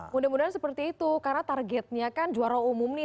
mudah mudahan seperti itu karena targetnya kan juara umum nih